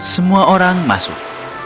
semua orang masuk